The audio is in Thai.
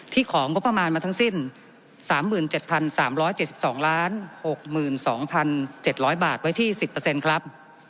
ที่ของงบประมาณมาทั้งสิ้น๓๗๓๗๒๐๖๒๗๐๐บาทไว้ที่๑๐เปอร์เซ็นต์ครับ